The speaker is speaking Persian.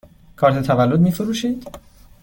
کارت تولد می فروشید؟